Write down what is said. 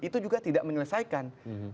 itu juga tidak menyelesaikan